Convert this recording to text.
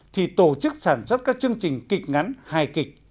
thì tổ chức sản xuất các chương trình kịch ngắn hài kịch